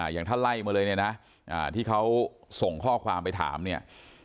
อย่างถ้าไล่มาเลยเนี่ยนะที่เขาส่งข้อความไปถามเนี่ย